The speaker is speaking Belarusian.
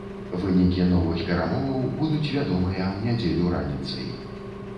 Вынікі новых перамоваў будуць вядомыя ў нядзелю раніцай.